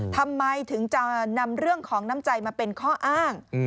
ทำไมถึงจะนำเรื่องของน้ำใจมาเป็นข้ออ้าง